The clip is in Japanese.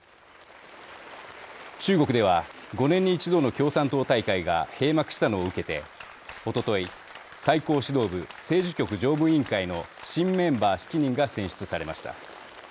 中国では、５年に一度の共産党大会が閉幕したのを受けておととい、最高指導部政治局常務委員会の新メンバー７人が選出されました。